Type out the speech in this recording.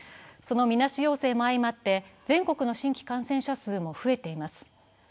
そのみなし陽性も相まって全国の新規感染者も増えています。